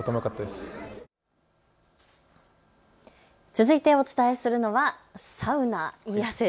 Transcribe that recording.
続いてお伝えするのはサウナ。